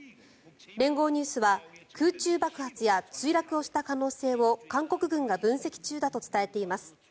連合ニュースは空中爆発や墜落をした可能性を韓国軍が分析中だと伝えています。